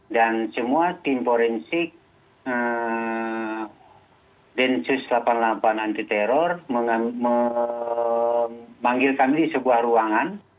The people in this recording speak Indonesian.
dan semua tim forensik densus delapan puluh delapan anti teror memanggil kami di sebuah ruangan